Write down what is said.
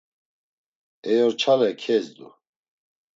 Eyorçale kezdu.